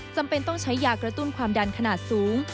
จำเป็นต้องใช้ยากระตุ้นความดันขนาดสูง